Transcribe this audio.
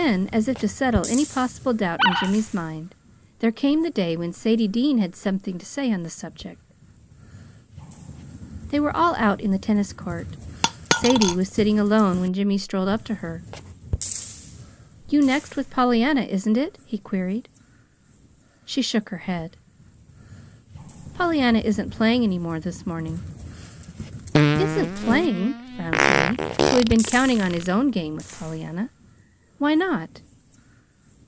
Then, as if to settle any possible doubt in Jimmy's mind, there came the day when Sadie Dean had something to say on the subject. They were all out in the tennis court. Sadie was sitting alone when Jimmy strolled up to her. "You next with Pollyanna, isn't it?" he queried. She shook her head. "Pollyanna isn't playing any more this morning." "Isn't playing!" frowned Jimmy, who had been counting on his own game with Pollyanna. "Why not?"